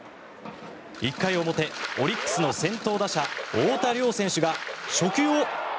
１回表、オリックスの先頭打者太田椋選手が初球を。